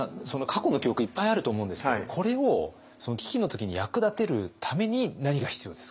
過去の記憶いっぱいあると思うんですけどこれをその危機の時に役立てるために何が必要ですか？